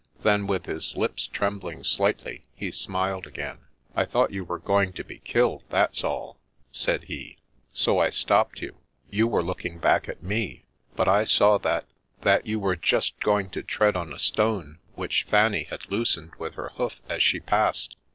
Then, with his lips trembling slightly, he smiled again. "I thought you were going to be killed, that's all," said he, " so I stopped you. You were looking back at me, but I saw that — ^that you were just going to tread on a stone which Fanny had loosened with her hoof as she passed.